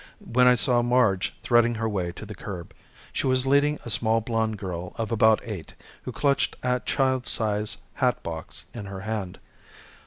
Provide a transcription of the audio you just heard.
when I saw Marge threading her way to the curb. She was leading a small blonde girl of about eight, who clutched a child size hatbox in her hand.